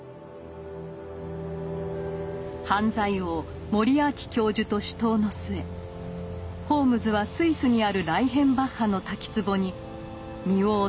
犯罪王モリアーティ教授と死闘の末ホームズはスイスにあるライヘンバッハの滝つぼに身を落としたのです。